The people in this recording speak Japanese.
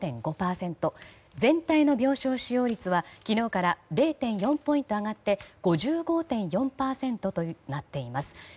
全体の病床使用率は昨日から０．４ポイント上がって５５．４％となっています。